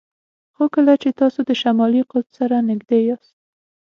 خو کله چې تاسو د شمالي قطب سره نږدې یاست